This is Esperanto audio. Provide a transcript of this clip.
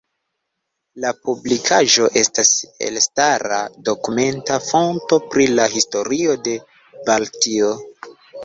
La publikaĵo estas elstara dokumenta fonto pri la historio de Baltio.